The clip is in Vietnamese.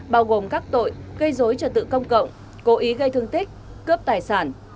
bao gồm các tội gây dối trật tự công cộng cố ý gây thương tích cướp tài sản